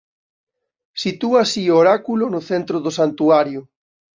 Sitúa así o oráculo no centro do santuario.